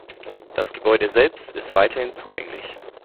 Das Gebäude selbst ist weiterhin zugänglich.